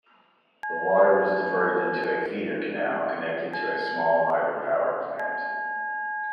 The water was diverted into a feeder canal connected to a small hydropower plant.